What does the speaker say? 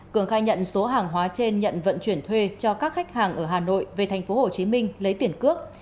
cường khai nhận số hàng hóa trên nhận vận chuyển thuê cho các khách hàng ở hà nội về tp hcm lấy tiền cước